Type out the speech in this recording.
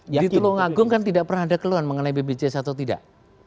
di tulungagung kan tidak pernah ada keluhan mengenai bpjs atau tidak